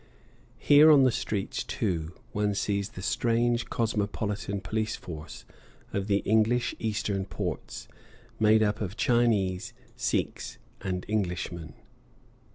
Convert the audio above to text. Here, on the streets, too, one sees the strange cosmopolitan police force of the English Eastern ports, made up of Chinese, Sikhs, and Englishmen.